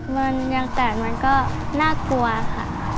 มันอย่างแต่มันก็น่ากลัวค่ะ